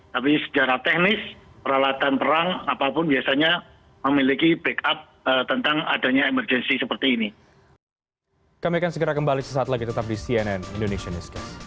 tapi secara teknis peralatan perang apapun biasanya memiliki backup tentang adanya emergency seperti ini